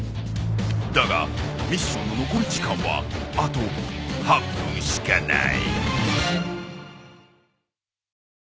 だがミッションの残り時間はあと８分しかない。